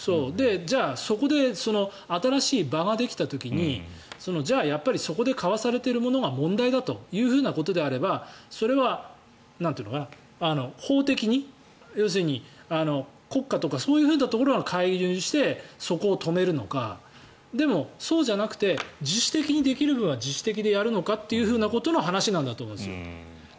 じゃあ、そこで新しい場ができた時にじゃあそこで交わされているものが問題だということであればそれは、なんというか法的に要するに国家とかそういうところが介入して、そこを止めるのかでも、そうじゃなくて自主的にできる部分は自主的でやるのかということの話なんだと思うんです。